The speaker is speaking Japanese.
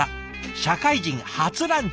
「社会人初ランチ！！」